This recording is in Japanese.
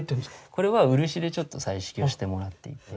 これは漆でちょっと彩色をしてもらっていて。